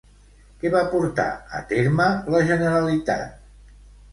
Què va portar a terme la Generalitat?